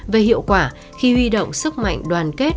về hiệu quả khi huy động sức mạnh đoàn kết